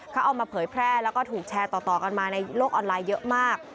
เขาเอามาเผยแพร่แล้วก็ถูกแชร์ต่อกันมาในโลกออนไลน์เยอะมาก